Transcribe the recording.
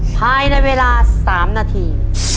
ภายในเวลา๓นาที